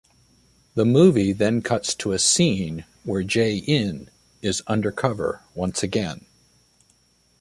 The movie then cuts to a scene where Jae-in is undercover once again.